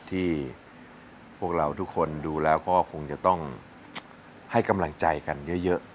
ที่พวกเราทุกคนดูแล้วก็คงจะต้องให้กำลังใจกันเยอะ